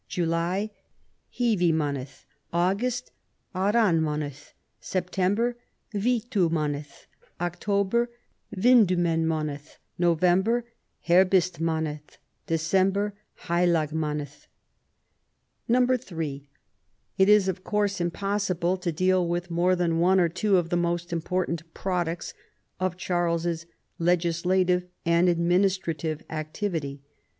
July, . Hewimanoth • August, Arantnanotli / Sep tember, Witumanoth / October, Windumemanoth / November, Herhistmanoth ; December, Ileilagma noth. III. It is of course impossible to deal with more than one or two of the most important products of Charles's legislative and administrative activity.